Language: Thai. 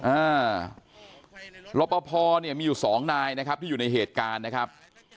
อ่ารปภมีอยู่๒นายที่อยู่ในเหตุการณ์นะครับ